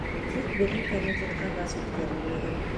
Тик беҙҙең комитетҡа газ үткәрелмәгән.